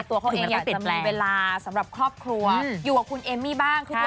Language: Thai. ตัวเขาเองยังติดเวลาสำหรับครอบครัวอยู่กับคุณเอมมี่บ้าง